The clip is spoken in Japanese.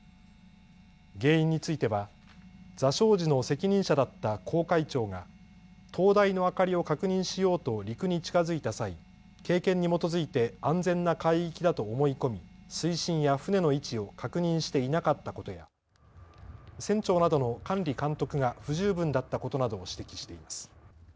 原因については座礁時の責任者だった航海長が灯台の明かりを確認しようと陸に近づいた際、経験に基づいて安全な海域だと思い込み水深や船の位置を確認していなかったことや船長などの管理監督が不十分だったことなどを指摘しています。